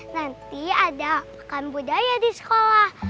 nanti ada pekan budaya di sekolah